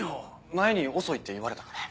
前に遅いって言われたから。